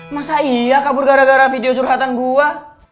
masa iya kabur gara gara video surhatan gua